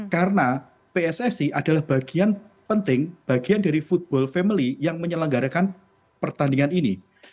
karena pssi adalah bagian penting bagian dari football family yang menyelenggarakan pertandingan ini